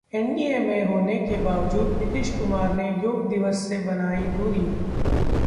NDA में होने के बावजूद नीतीश कुमार ने योग दिवस से बनाई दूरी